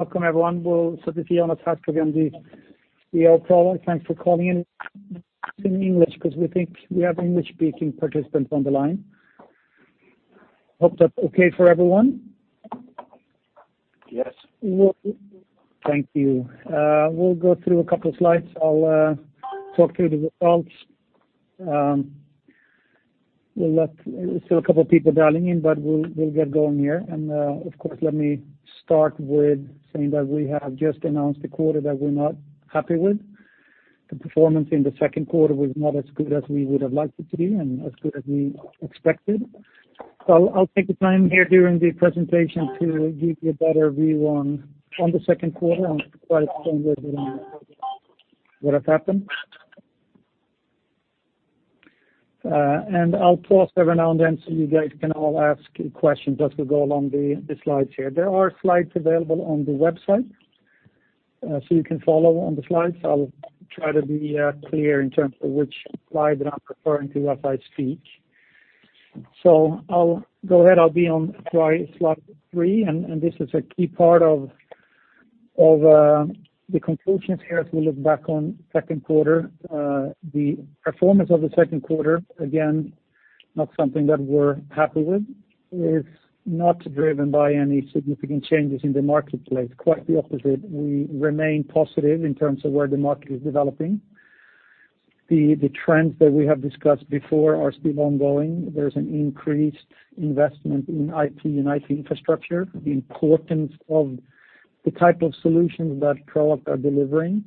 Welcome, everyone. We'll start this here on a call on the Proact. Thanks for calling in English, because we think we have English-speaking participants on the line. Hope that's okay for everyone? Yes. Thank you. We'll go through a couple of slides. I'll talk through the results. We'll let still a couple of people dialing in, but we'll get going here. And, of course, let me start with saying that we have just announced a quarter that we're not happy with. The performance in the second quarter was not as good as we would have liked it to be, and as good as we expected. So I'll take the time here during the presentation to give you a better view on the second quarter and try to explain what has happened. And I'll pause every now and then, so you guys can all ask questions as we go along the slides here. There are slides available on the website, so you can follow on the slides. I'll try to be clear in terms of which slide that I'm referring to as I speak. So I'll go ahead. I'll be on slide three, and this is a key part of the conclusions here as we look back on second quarter. The performance of the second quarter, again, not something that we're happy with, is not driven by any significant changes in the marketplace. Quite the opposite. We remain positive in terms of where the market is developing. The trends that we have discussed before are still ongoing. There's an increased investment in IT and IT infrastructure, the importance of the type of solutions that Proact are delivering,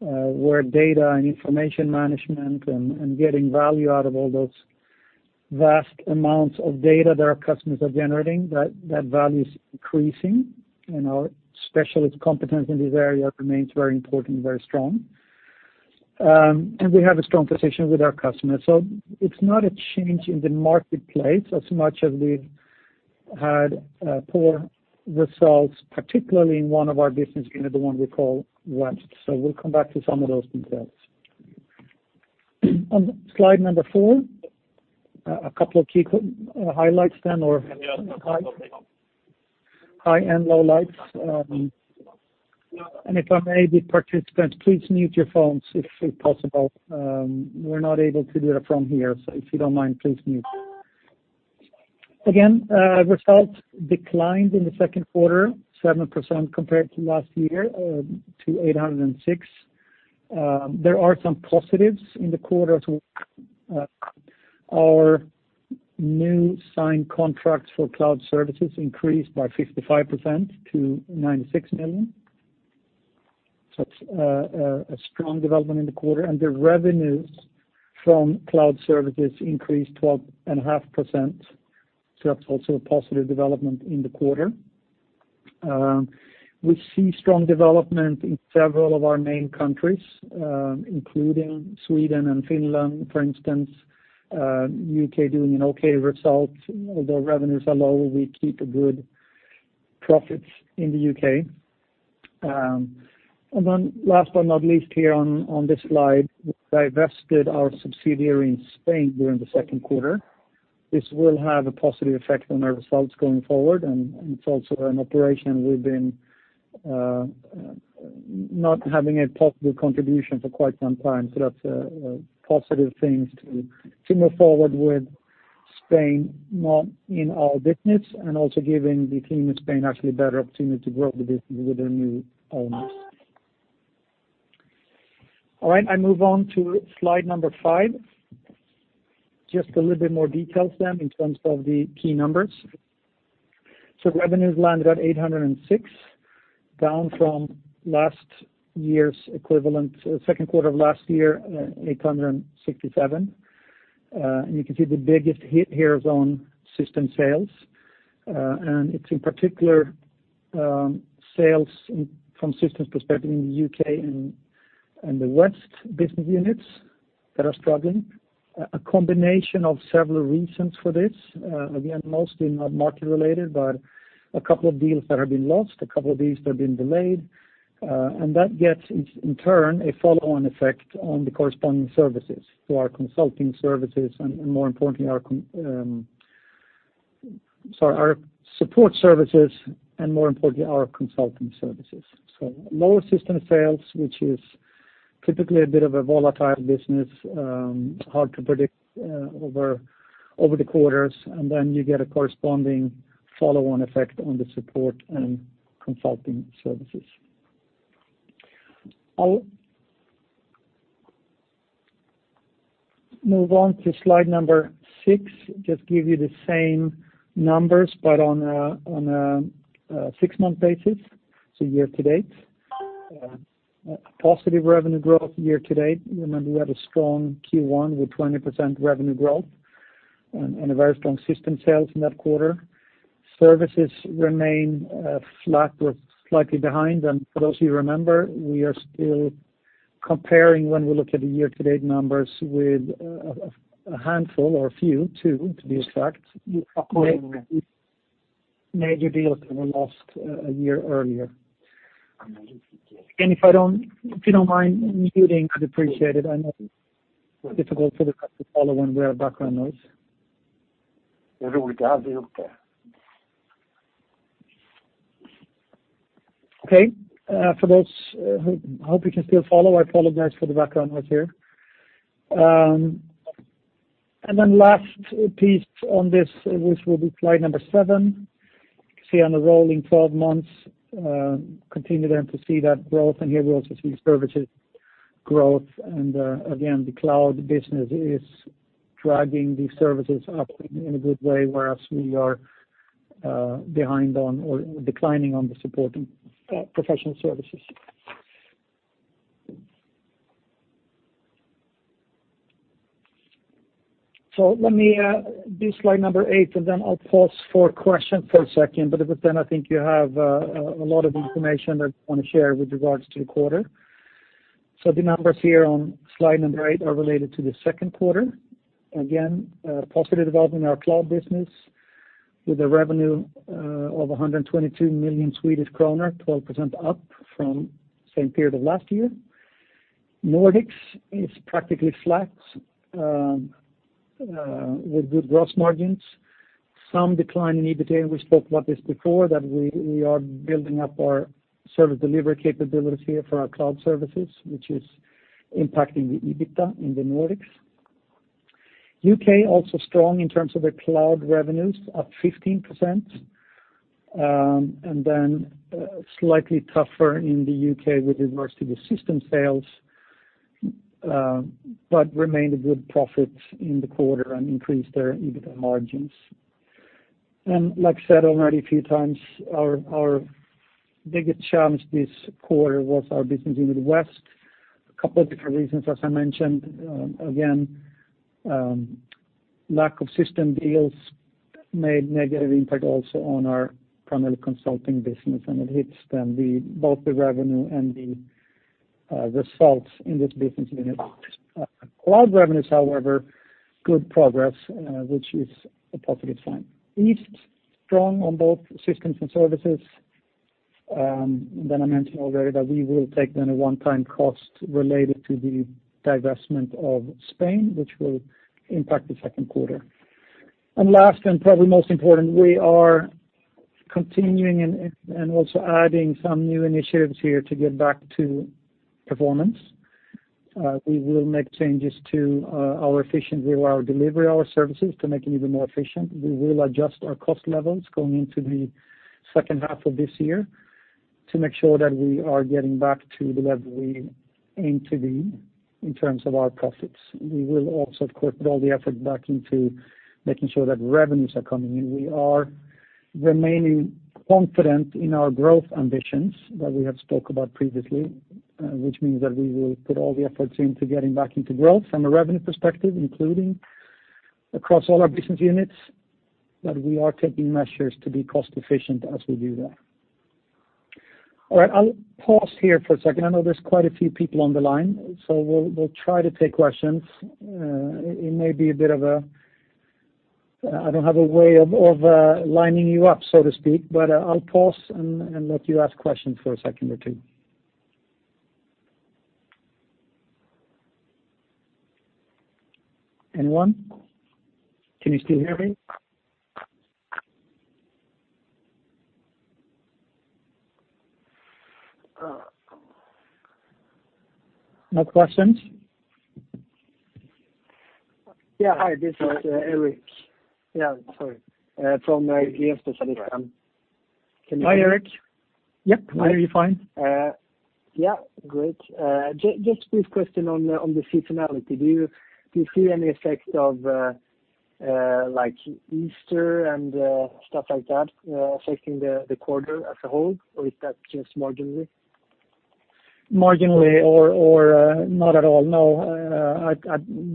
where data and information management and getting value out of all those vast amounts of data that our customers are generating, that value is increasing. Our specialist competence in this area remains very important, very strong. We have a strong position with our customers. So it's not a change in the marketplace as much as we've had poor results, particularly in one of our business unit, the one we call West. So we'll come back to some of those details. On slide number 4, a couple of key highlights then, or high and low lights. If I may, the participants, please mute your phones, if possible. We're not able to do it from here, so if you don't mind, please mute. Again, results declined in the second quarter, 7% compared to last year, to 806 million. There are some positives in the quarter too, our new signed contracts for cloud services increased by 55% to 96 million. So it's a strong development in the quarter, and the revenues from cloud services increased 12.5%. So that's also a positive development in the quarter. We see strong development in several of our main countries, including Sweden and Finland, for instance, U.K. doing an okay result. Although revenues are low, we keep a good profits in the U.K. And then last but not least, here on this slide, we divested our subsidiary in Spain during the second quarter. This will have a positive effect on our results going forward, and it's also an operation we've been not having a positive contribution for quite some time. So that's a positive things to move forward with Spain, not in our business, and also giving the team in Spain actually a better opportunity to grow the business with their new owners. All right, I move on to slide number 5. Just a little bit more details then, in terms of the key numbers. So revenues landed at 806, down from last year's equivalent second quarter of 867. You can see the biggest hit here is on system sales. It's in particular, sales from systems perspective in the U.K. and the West business units that are struggling. A combination of several reasons for this. Again, mostly not market related, but a couple of deals that have been lost, a couple of deals that have been delayed. And that gets, in turn, a follow-on effect on the corresponding services to our consulting services and more importantly, our support services, and more importantly, our consulting services. So lower system sales, which is typically a bit of a volatile business, hard to predict over the quarters, and then you get a corresponding follow-on effect on the support and consulting services. I'll move on to slide number 6. Just give you the same numbers, but on a 6-month basis, so year to date. Positive revenue growth year to date. Remember, we had a strong Q1 with 20% revenue growth and a very strong system sales in that quarter. Services remain flat or slightly behind. For those of you who remember, we are still comparing, when we look at the year-to-date numbers, with a handful or a few, two to be exact, major deals that were lost a year earlier. If you don't mind muting, I'd appreciate it. I know it's difficult for the customer to follow when we have background noise. Okay, for those who hope you can still follow, I apologize for the background noise here. And then last piece on this, which will be slide number 7, you can see on the rolling twelve months continue then to see that growth, and here we also see services growth, and again, the cloud business is dragging these services up in a good way, whereas we are behind on, or declining on the supporting professional services. So let me do slide number eight, and then I'll pause for questions for a second. But then I think you have a lot of information I want to share with regards to the quarter. So the numbers here on slide number eight are related to the second quarter. Again, positive development in our cloud business with a revenue of 122 million Swedish kronor, 12% up from same period of last year. Nordics is practically flat with good gross margins. Some decline in EBITDA, and we spoke about this before, that we are building up our service delivery capabilities here for our cloud services, which is impacting the EBITDA in the Nordics. U.K., also strong in terms of the cloud revenues, up 15%, and then slightly tougher in the U.K. with regards to the system sales, but remained a good profit in the quarter and increased their EBITDA margins. Like I said already a few times, our biggest challenge this quarter was our business unit West. A couple of different reasons, as I mentioned again, lack of system deals made negative impact also on our primary consulting business, and it hits then both the revenue and the results in this business unit. Cloud revenues, however, good progress, which is a positive sign. East, strong on both systems and services, then I mentioned already that we will take then a one-time cost related to the divestment of Spain, which will impact the second quarter. And last, and probably most important, we are continuing and also adding some new initiatives here to get back to performance. We will make changes to our efficiency, with our delivery, our services, to make it even more efficient. We will adjust our cost levels going into the second half of this year to make sure that we are getting back to the level we aim to be in terms of our profits. We will also, of course, put all the effort back into making sure that revenues are coming in. We are remaining confident in our growth ambitions that we have spoke about previously, which means that we will put all the efforts into getting back into growth from a revenue perspective, including across all our business units, that we are taking measures to be cost efficient as we do that. All right, I'll pause here for a second. I know there's quite a few people on the line, so we'll try to take questions. It may be a bit of a... I don't have a way of lining you up, so to speak, but I'll pause and let you ask questions for a second or two. Anyone? Can you still hear me? No questions? Yeah. Hi, this is Erik. Yeah, sorry, from Redeye specialist firm. Hi, Erik. Yep, I hear you fine. Yeah, great. Just quick question on the seasonality. Do you see any effect of, like, Easter and stuff like that affecting the quarter as a whole, or is that just marginally? Marginally, or not at all. No,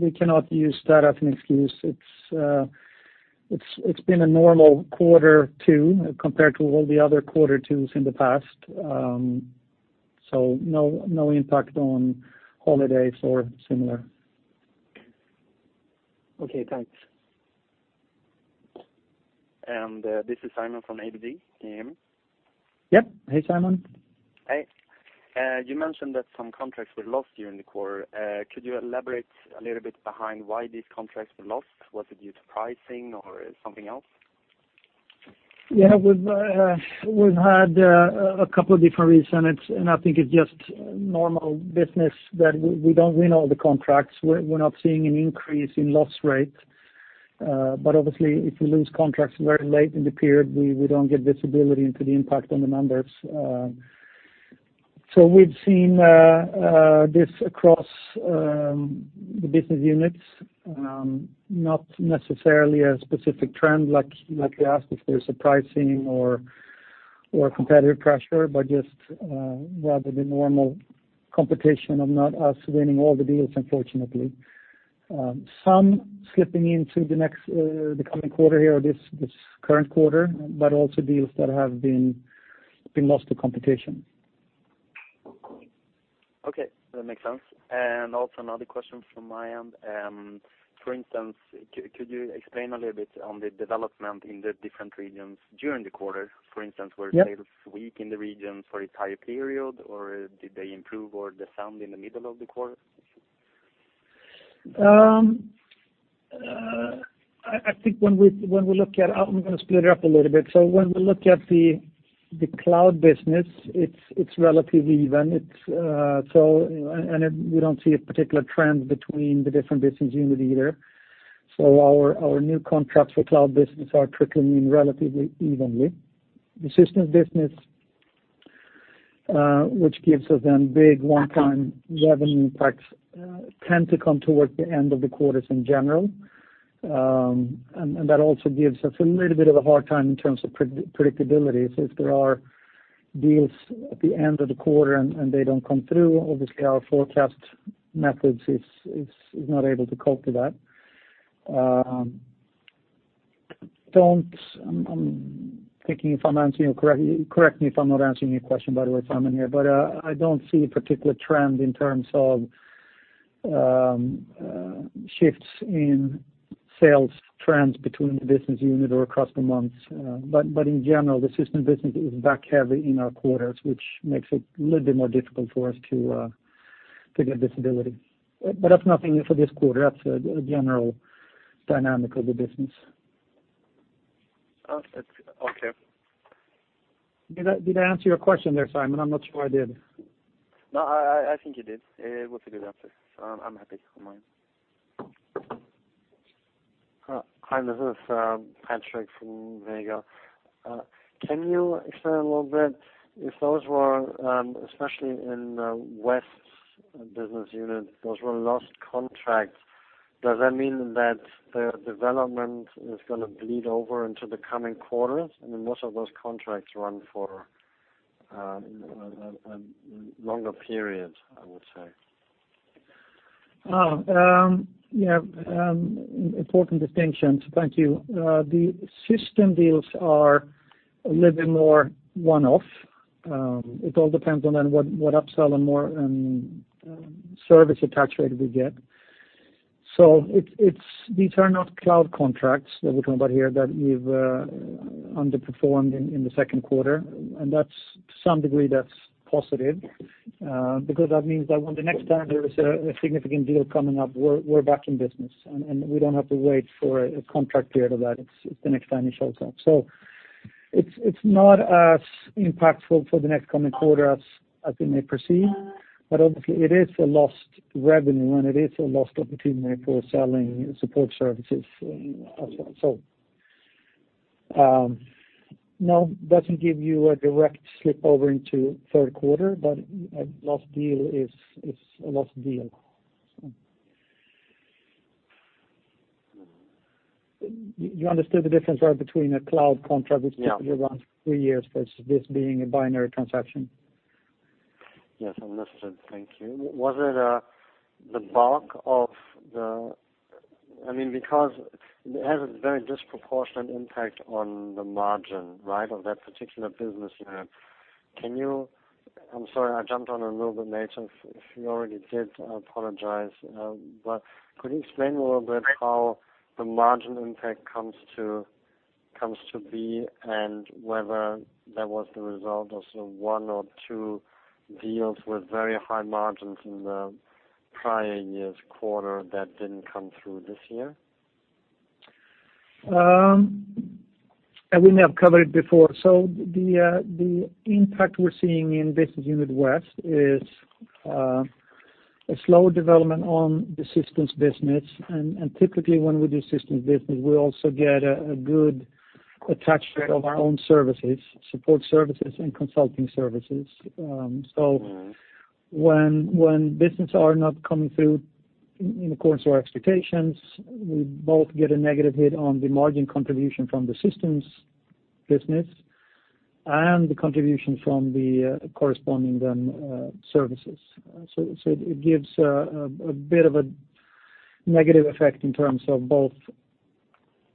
we cannot use that as an excuse. It's been a normal quarter two compared to all the other quarter twos in the past. So no, no impact on holidays or similar. Okay, thanks. This is Simon from ABG Sundal Collier Yep. Hey, Simon. Hi. You mentioned that some contracts were lost during the quarter. Could you elaborate a little bit behind why these contracts were lost? Was it due to pricing or something else? Yeah, we've, we've had a couple of different reasons, and it's, and I think it's just normal business that we, we don't win all the contracts. We're, we're not seeing an increase in loss rate, but obviously, if you lose contracts very late in the period, we, we don't get visibility into the impact on the numbers. So we've seen this across the business units, not necessarily a specific trend, like, like you asked if there's a pricing or, or competitive pressure, but just rather the normal competition of not us winning all the deals, unfortunately. Some slipping into the next, the coming quarter here, or this, this current quarter, but also deals that have been, been lost to competition. Okay, that makes sense. Also, another question from my end. For instance, could you explain a little bit on the development in the different regions during the quarter? For instance- Yep... were sales weak in the regions for the entire period, or did they improve or they sound in the middle of the quarter? I think when we look at, I'm gonna split it up a little bit. So when we look at the cloud business, it's relatively even. We don't see a particular trend between the different business unit either. So our new contracts for cloud business are trickling in relatively evenly. The systems business, which gives us then big one-time revenue impacts, tend to come towards the end of the quarters in general. That also gives us a little bit of a hard time in terms of predictability. So if there are deals at the end of the quarter and they don't come through, obviously our forecast methods is not able to cope to that. Don't... I'm thinking if I'm answering you correctly. Correct me if I'm not answering your question, by the way, Simon here, but I don't see a particular trend in terms of shifts in sales trends between the business unit or across the months. But in general, the system business is back heavy in our quarters, which makes it a little bit more difficult for us to get visibility. But that's nothing for this quarter, that's a general dynamic of the business. That's okay. Did I answer your question there, Simon? I'm not sure I did. No, I think you did. It was a good answer. I'm happy for mine. Hi, this is Patrick from Vega. Can you explain a little bit, if those were especially in West business unit, those were lost contracts, does that mean that the development is gonna bleed over into the coming quarters? I mean, most of those contracts run for a longer period, I would say. Oh, yeah, important distinction. Thank you. The system deals are a little bit more one-off. It all depends on then what, what upsell and more, service attach rate we get. So it's, it's, these are not cloud contracts that we're talking about here, that we've underperformed in, in the second quarter. And that's, to some degree, that's positive, because that means that when the next time there is a, a significant deal coming up, we're, we're back in business, and, and we don't have to wait for a contract period of that. It's, it's the next time it shows up. So it's, it's not as impactful for the next coming quarter as, as it may proceed, but obviously it is a lost revenue, and it is a lost opportunity for selling support services as well. So, no, it doesn't give you a direct slip over into third quarter, but a lost deal is a lost deal, so. You understood the difference, right, between a cloud contract- Yeah. Which typically runs three years versus this being a binary transaction? Yes, understood. Thank you. Was it the bulk of the... I mean, because it has a very disproportionate impact on the margin, right, of that particular business unit. Can you—I'm sorry, I jumped on a little bit late, if, if you already did, I apologize. But could you explain a little bit how the margin impact comes to, comes to be, and whether that was the result of one or two deals with very high margins in the prior year's quarter that didn't come through this year? And we may have covered it before. So the impact we're seeing in business unit West is a slow development on the systems business. And typically when we do systems business, we also get a good attach rate of our own services, support services and consulting services. So- Mm-hmm. When business are not coming through in accordance to our expectations, we both get a negative hit on the margin contribution from the systems business and the contribution from the corresponding then services. So it gives a bit of a negative effect in terms of both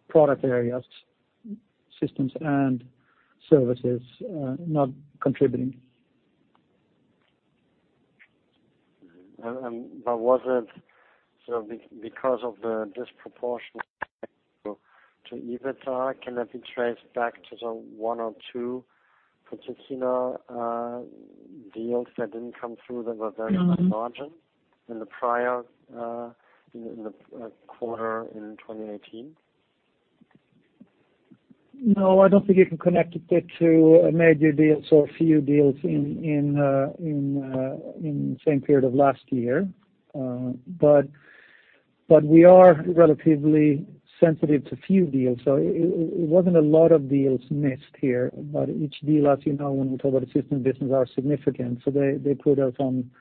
product areas, systems and services, not contributing. But was it, so because of the disproportionate to EBITDA, can that be traced back to the one or two particular deals that didn't come through that were very high- Mm-hmm. -margin in the prior quarter in 2018? No, I don't think you can connect it to major deals or a few deals in the same period of last year. But we are relatively sensitive to few deals, so it wasn't a lot of deals missed here, but each deal, as you know, when we talk about the system business, are significant. So they put us on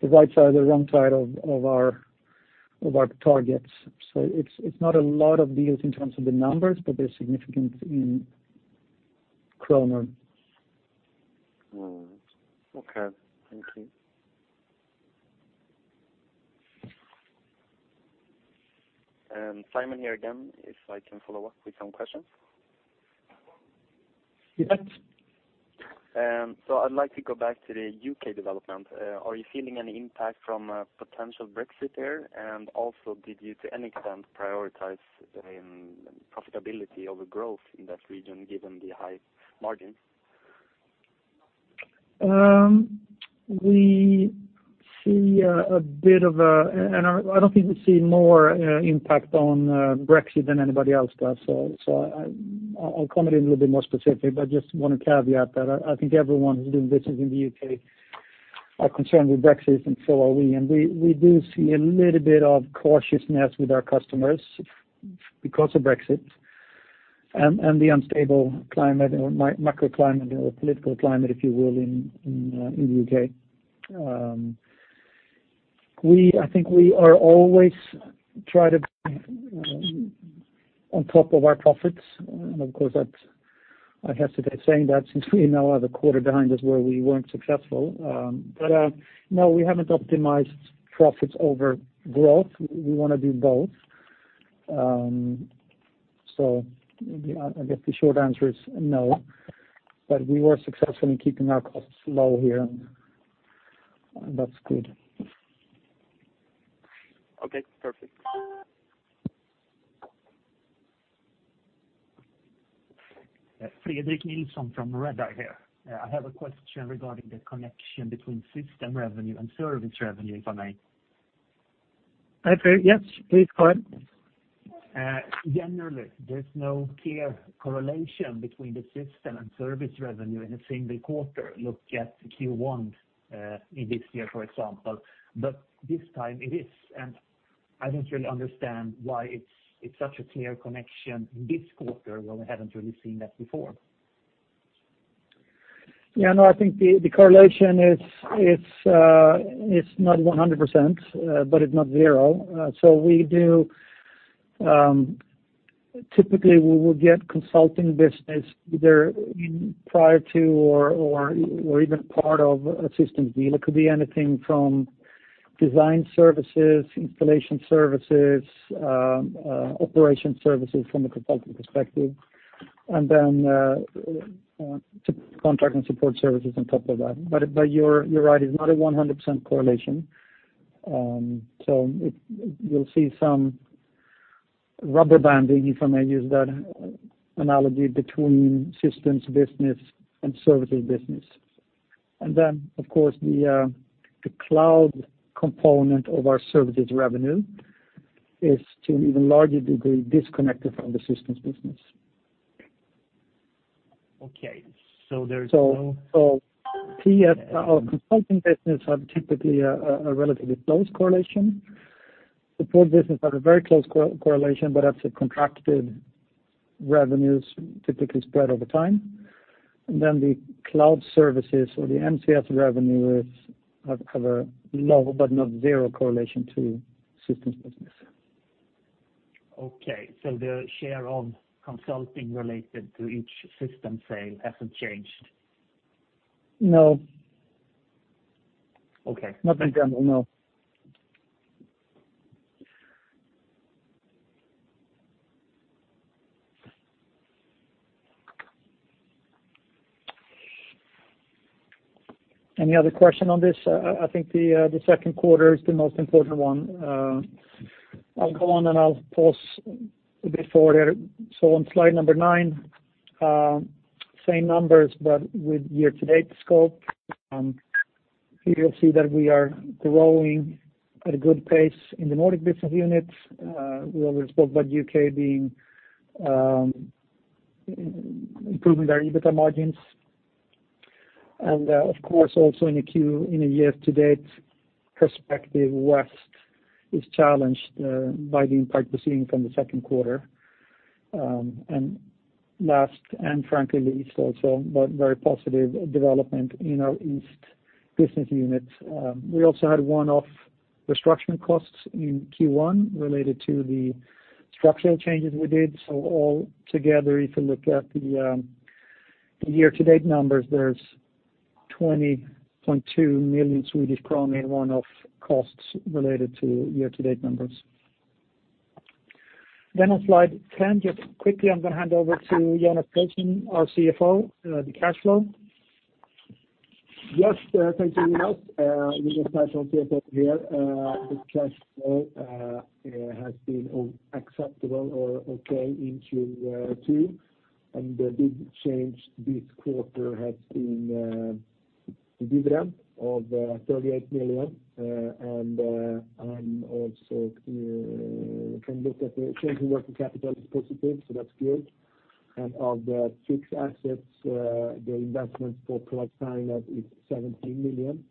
the right side or the wrong side of our targets. So it's not a lot of deals in terms of the numbers, but they're significant in kronor. Mm-hmm. Okay, thank you. Simon here again, if I can follow up with some questions. Yes. I'd like to go back to the U.K. development. Are you feeling any impact from potential Brexit there? And also, did you, to any extent, prioritize profitability over growth in that region, given the high margins?... we see a bit of a, and I don't think we see more impact on Brexit than anybody else does. So I'll comment a little bit more specific, but just want to caveat that I think everyone who's doing business in the U.K. are concerned with Brexit, and so are we. And we do see a little bit of cautiousness with our customers because of Brexit, and the unstable climate or macro climate or political climate, if you will, in the U.K. I think we are always try to on top of our profits, and of course, that's, I hesitate saying that since we now have a quarter behind us where we weren't successful. But no, we haven't optimized profits over growth. We want to do both. So, I guess the short answer is no, but we were successful in keeping our costs low here, and that's good. Okay, perfect. Fredrik Nilsson from Redeye here. I have a question regarding the connection between system revenue and service revenue, if I may? Okay. Yes, please go ahead. Generally, there's no clear correlation between the system and service revenue in the same quarter. Look at Q1 in this year, for example. But this time it is, and I don't really understand why it's such a clear connection in this quarter, when we haven't really seen that before. Yeah, no, I think the correlation is, it's not 100%, but it's not zero. So we do typically we will get consulting business there in prior to or even part of a systems deal. It could be anything from design services, installation services, operation services from a consulting perspective, and then to contract and support services on top of that. But you're right, it's not a 100% correlation. So you'll see some rubber banding, if I may use that analogy, between systems business and services business. And then, of course, the cloud component of our services revenue is to an even larger degree, disconnected from the systems business. Okay, so there's no- TS, our consulting business have typically a relatively close correlation. Support business have a very close correlation, but that's a contracted revenues typically spread over time. And then the cloud services or the MCS revenues have a low, but not zero correlation to systems business. Okay, so the share of consulting related to each system sale hasn't changed? No. Okay. Not in general, no. Any other question on this? I think the second quarter is the most important one. I'll go on, and I'll pause before there. So on slide number 9, same numbers, but with year to date scope. Here you'll see that we are growing at a good pace in the Nordic business unit. We already spoke about U.K. being improving our EBITDA margins. And, of course, also in a year to date perspective, West is challenged by the impact we're seeing from the second quarter. And last, and frankly, the East also, but very positive development in our East business unit. We also had one-off restructuring costs in Q1 related to the structural changes we did. So all together, if you look at the year to date numbers, there's 20.2 million Swedish kronor in one-off costs related to year to date numbers. Then on slide 10, just quickly, I'm going to hand over to Jonas Persson, our CFO, the cash flow. Yes, thank you, Jonas. We just have some people here. The cash flow has been acceptable or okay in Q2, and the big change this quarter has been the dividend of SEK 38 million. Also, can look at the change in working capital is positive, so that's good. And of the fixed assets, the investments for Proact Finance is 17 million.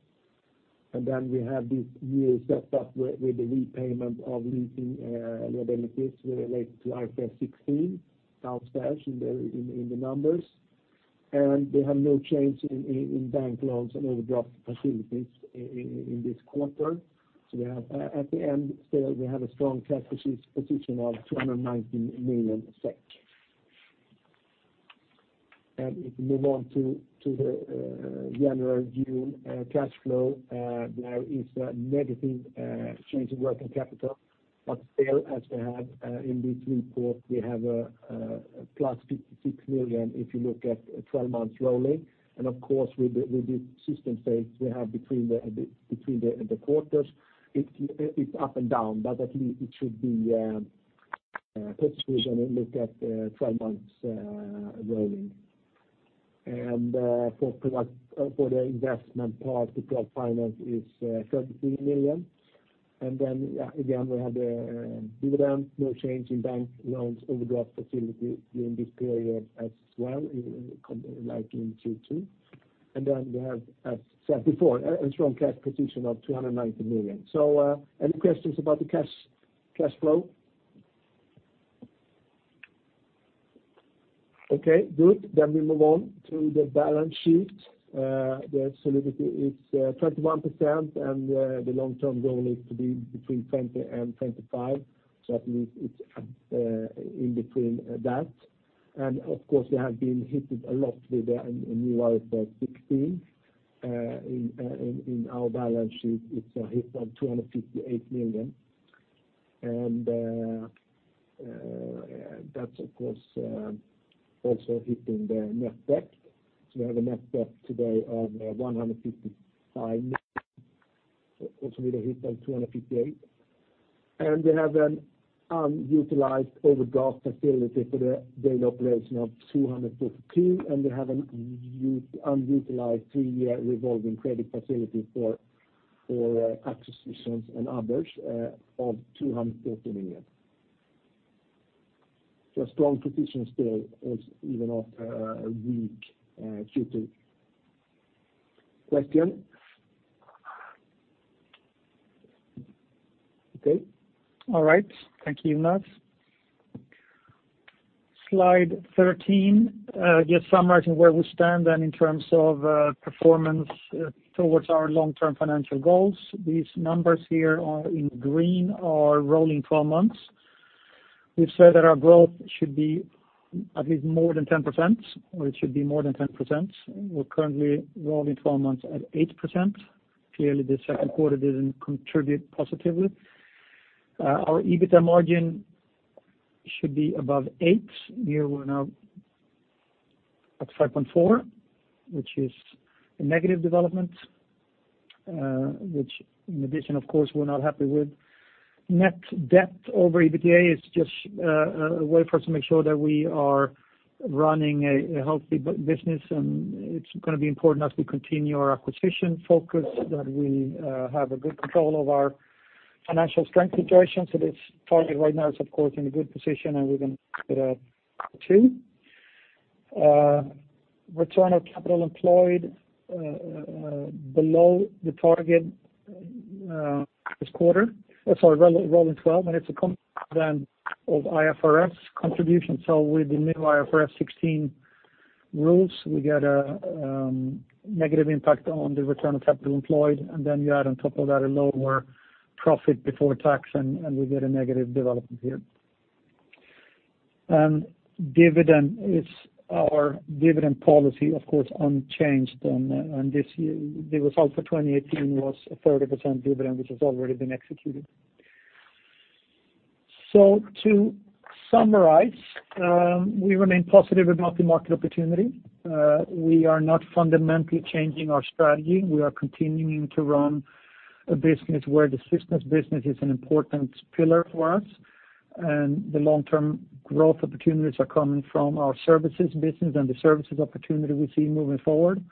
And then we have this new setup with the repayment of leasing liabilities related to IFRS 16, downstairs in the numbers. And we have no change in bank loans and overdraft facilities in this quarter. So we have, at the end, still we have a strong cash position of 219 million SEK. If we move on to the general view, cash flow, there is a negative change in working capital, but still, as we have in this report, we have a plus 56 million, if you look at twelve months rolling. Of course, with the system sales we have between the quarters, it's up and down, but at least it should be put vision and look at twelve months rolling. For the investment part, the Proact Finance is 13 million. Then, again, we have the dividend, no change in bank loans, overdraft facility during this period as well, like in Q2. We have, as said before, a strong cash position of 290 million. So, any questions about the cash, cash flow? Okay, good. Then we move on to the balance sheet. The solidity is 21%, and the long-term goal is to be between 20 and 25. So at least it's in between that. And of course, we have been hitting a lot with the new IFRS 16. In our balance sheet, it's a hit of 258 million. And that's of course also hitting the net debt. So we have a net debt today of 155 million, also with a hit of 258. And we have an unutilized overdraft facility for the daily operation of 242, and we have an unutilized three-year revolving credit facility for acquisitions and others of 213 million. A strong position still, as even after a weak Q2. Question? Okay. All right. Thank you, Jonas. Slide 13, just summarizing where we stand then in terms of, performance, towards our long-term financial goals. These numbers here are in green, are rolling twelve months. We've said that our growth should be at least more than 10%, or it should be more than 10%. We're currently rolling twelve months at 8%. Clearly, the second quarter didn't contribute positively. Our EBITA margin should be above 8. Here we're now at 5.4, which is a negative development, which in addition, of course, we're not happy with. Net debt over EBITA is just, a way for us to make sure that we are running a healthy business, and it's gonna be important as we continue our acquisition focus, that we, have a good control of our financial strength situation. So this target right now is, of course, in a good position, and we're gonna keep it up too. Return on capital employed below the target this quarter. Rolling twelve, and it's a comparison of IFRS contribution. So with the new IFRS 16 rules, we get a negative impact on the return of capital employed, and then you add on top of that a lower profit before tax, and we get a negative development here. Dividend is our dividend policy, of course, unchanged on this year. The result for 2018 was a 30% dividend, which has already been executed. So to summarize, we remain positive about the market opportunity. We are not fundamentally changing our strategy. We are continuing to run a business where the systems business is an important pillar for us, and the long-term growth opportunities are coming from our services business and the services opportunity we see moving forward.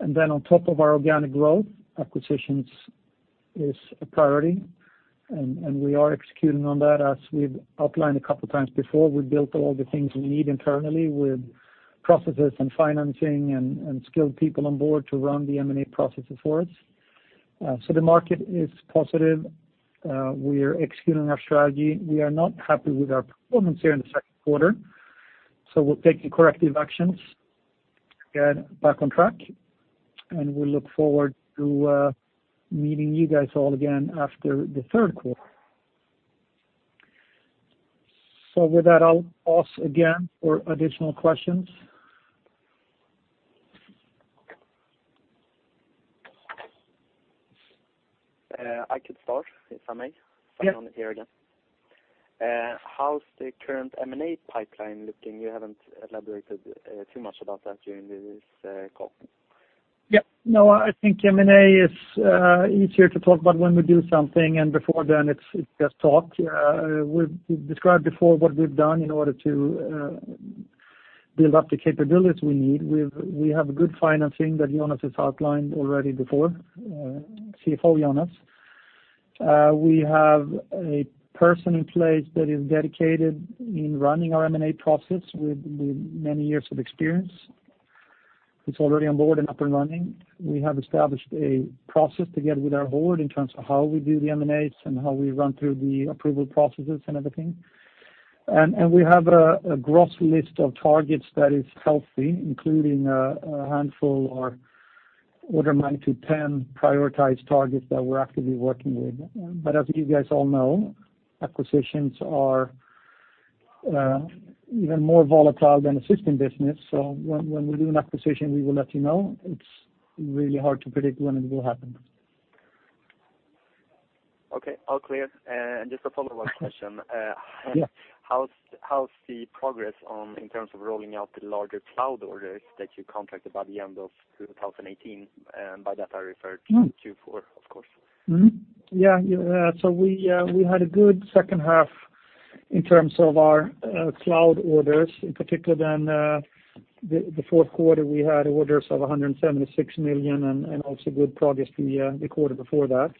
And then on top of our organic growth, acquisitions is a priority, and we are executing on that. As we've outlined a couple of times before, we've built all the things we need internally with processes and financing and skilled people on board to run the M&A processes for us. So the market is positive. We are executing our strategy. We are not happy with our performance here in the second quarter, so we'll take the corrective actions to get back on track, and we look forward to meeting you guys all again after the third quarter. So with that, I'll pause again for additional questions. I could start, if I may? Yeah. I'm on here again. How's the current M&A pipeline looking? You haven't elaborated too much about that during this call. Yeah. No, I think M&A is easier to talk about when we do something, and before then, it's just talk. We've described before what we've done in order to build up the capabilities we need. We have a good financing that Jonas has outlined already before, CFO Jonas. We have a person in place that is dedicated in running our M&A process with many years of experience, who's already on board and up and running. We have established a process together with our board in terms of how we do the M&As and how we run through the approval processes and everything. And we have a gross list of targets that is healthy, including a handful or order 9-10 prioritized targets that we're actively working with. But as you guys all know, acquisitions are even more volatile than the system business. So when we do an acquisition, we will let you know. It's really hard to predict when it will happen. Okay, all clear. And just a follow-up question. Yeah. How's the progress on, in terms of rolling out the larger cloud orders that you contracted by the end of 2018? And by that, I refer to Q4, of course. Mm-hmm. Yeah, yeah. So we had a good second half in terms of our cloud orders, in particular than the fourth quarter, we had orders of 176 million and also good progress the quarter before that.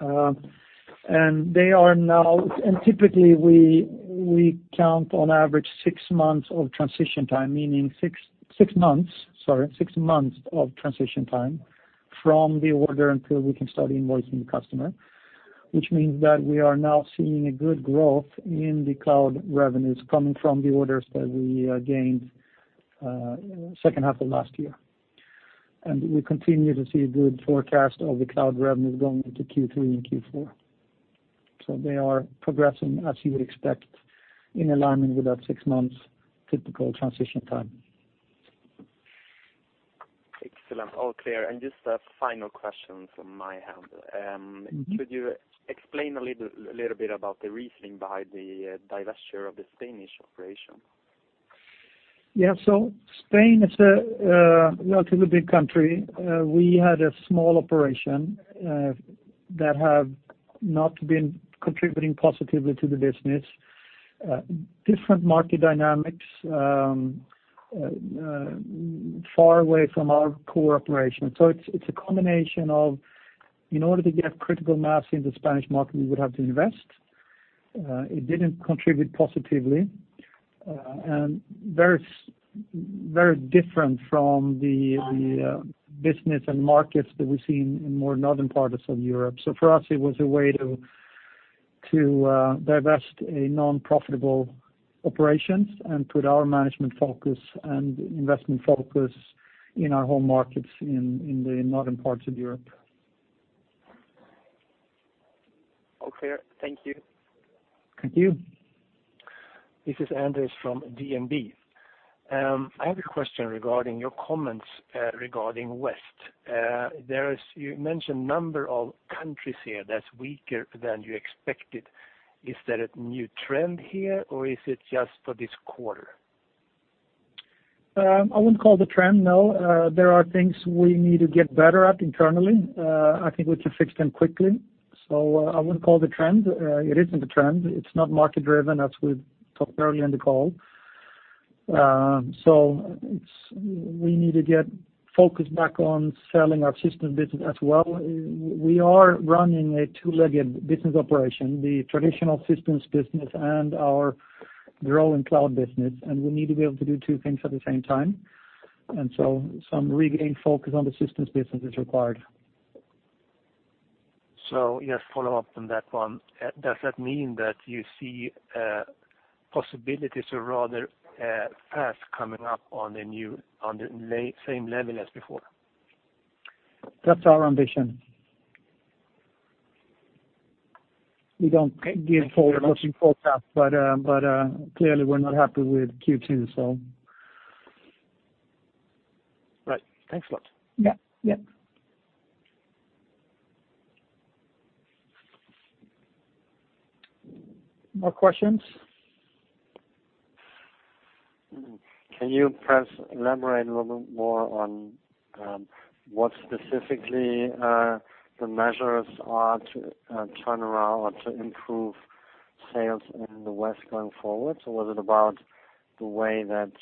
And they are now and typically we count on average six months of transition time, meaning six months of transition time from the order until we can start invoicing the customer. Which means that we are now seeing a good growth in the cloud revenues coming from the orders that we gained second half of last year. And we continue to see a good forecast of the cloud revenues going into Q3 and Q4. So they are progressing, as you would expect, in alignment with that six months typical transition time. Excellent. All clear. Just a final question from my end. Mm-hmm. Could you explain a little, little bit about the reasoning behind the divestiture of the Spanish operation? Yeah. So Spain is a relatively big country. We had a small operation that have not been contributing positively to the business. Different market dynamics, far away from our core operation. So it's a combination of, in order to get critical mass in the Spanish market, we would have to invest. It didn't contribute positively, and very different from the business and markets that we see in more northern parts of Europe. So for us, it was a way to divest a non-profitable operations and put our management focus and investment focus in our home markets in the northern parts of Europe. All clear. Thank you. Thank you. This is Andres from DNB. I have a question regarding your comments regarding West. You mentioned number of countries here that's weaker than you expected. Is that a new trend here, or is it just for this quarter? I wouldn't call it a trend, no. There are things we need to get better at internally. I think we can fix them quickly. So I wouldn't call it a trend. It isn't a trend. It's not market-driven, as we talked earlier in the call. So it's, we need to get focused back on selling our systems business as well. We are running a two-legged business operation, the traditional systems business and our growing cloud business, and we need to be able to do two things at the same time. And so some regained focus on the systems business is required. Just follow up on that one. Does that mean that you see possibilities or rather paths coming up on the new, on the same level as before? That's our ambition. We don't give forward-looking forecasts, but, but, clearly, we're not happy with Q2, so. Right. Thanks a lot. Yeah. Yeah. More questions? Can you perhaps elaborate a little bit more on what specifically the measures are to turn around or to improve sales in the West going forward? So was it about the way that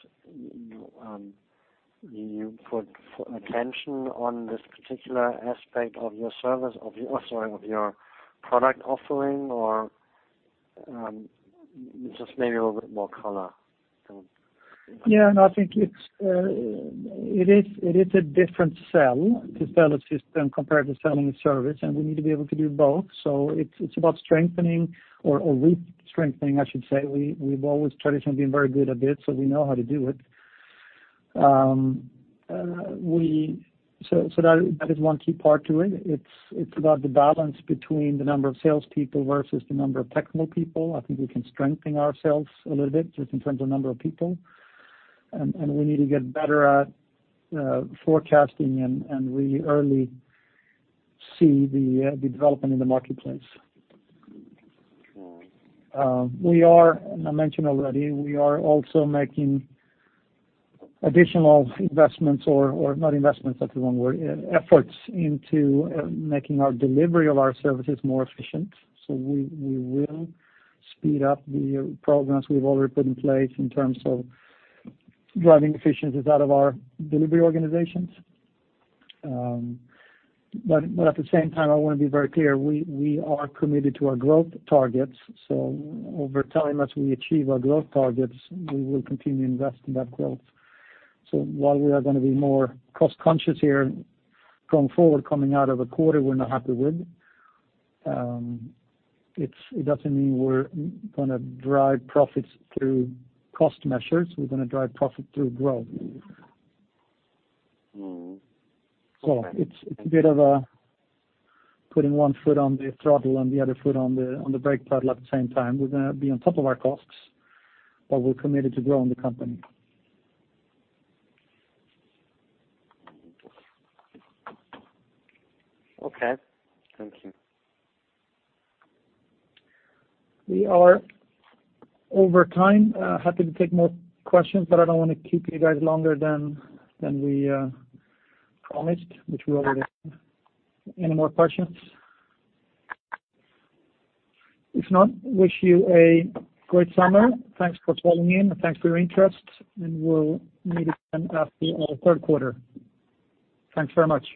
you put attention on this particular aspect of your service, of your, sorry, of your product offering, or just maybe a little bit more color? Yeah, and I think it's a different sell to sell a system compared to selling a service, and we need to be able to do both. So it's about strengthening or re-strengthening, I should say. We've always traditionally been very good at it, so we know how to do it. So that is one key part to it. It's about the balance between the number of salespeople versus the number of technical people. I think we can strengthen ourselves a little bit, just in terms of number of people. And we need to get better at forecasting and really early see the development in the marketplace. Mm-hmm. We are, and I mentioned already, we are also making additional investments, or not investments, that's the wrong word, efforts into making our delivery of our services more efficient. So we will speed up the programs we've already put in place in terms of driving efficiencies out of our delivery organizations. But at the same time, I want to be very clear, we are committed to our growth targets. So over time, as we achieve our growth targets, we will continue to invest in that growth. So while we are gonna be more cost-conscious here going forward, coming out of a quarter we're not happy with, it doesn't mean we're gonna drive profits through cost measures. We're gonna drive profit through growth. Mm-hmm. So it's a bit of a putting one foot on the throttle and the other foot on the brake pedal at the same time. We're gonna be on top of our costs, but we're committed to growing the company. Okay. Thank you. We are over time. Happy to take more questions, but I don't want to keep you guys longer than we promised, which we already... Any more questions? If not, wish you a great summer. Thanks for calling in, and thanks for your interest, and we'll meet again at the third quarter. Thanks very much.